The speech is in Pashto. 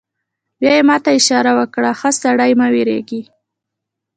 بیا یې ما ته اشاره وکړه: ښه سړی، مه وېرېږه.